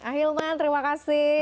ahilman terima kasih